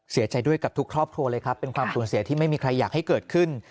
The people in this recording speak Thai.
เสียใจด้วยกับทุกครอบครัวเลยครับเป็นความสูญเสียที่ไม่มีใครอยากให้เกิดขึ้น